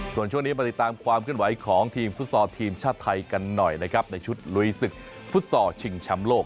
ส่วนช่วงนี้มาติดตามความขึ้นไหวของทีมฟุตศทีมชาติไทยกันหน่อยในชุดโรยีศึกฟุตศชิงชั้มโลก